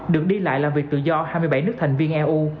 được đi lại làm việc tự do hai mươi bảy nước thành viên eu